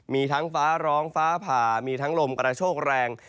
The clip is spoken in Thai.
มีทั้งฟ้าร้องฟ้าผ่ามีทั้งลมกระโชคแรง